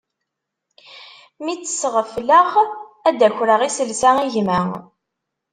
Mi tt-sɣefleɣ ad d-akreɣ iselsa i gma.